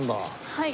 はい。